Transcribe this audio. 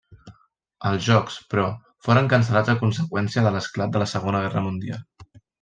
Els Jocs, però, foren cancel·lats a conseqüència de l'esclat de la Segona Guerra Mundial.